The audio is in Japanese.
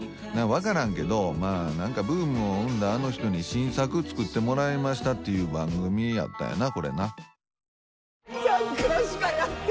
分からんけどまあ何か「ブームを生んだアノ人に新作つくってもらいました」っていう番組やったんやな